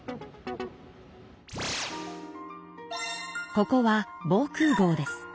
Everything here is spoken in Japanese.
ここは防空ごうです。